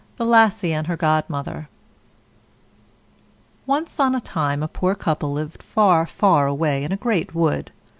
THE LASSIE AND HER GODMOTHER Once on a time a poor couple lived far, far away in a great wood.